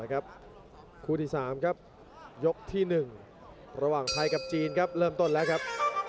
คู่ที่๓ครับยกที่๑ระหว่างไทยกับจีนครับเริ่มต้นแล้วครับ